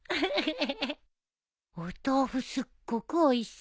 お豆腐すっごくおいしそう。